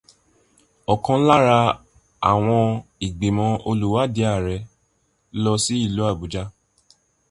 Ọ̀kan lára àwọn ìgbìmọ̀ olùwádìí ààrẹ lọ sí ìlú Àbújá.